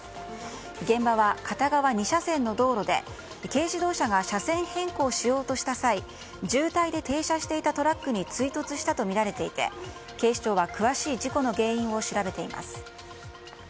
現場は片側２車線の道路で軽自動車が車線変更しようとした際渋滞で停車していたトラックに追突したとみられていて警視庁は詳しい事故の原因を調べています。